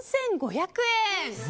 ４５００円。